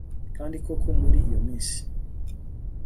kandi koko muri iyo minsi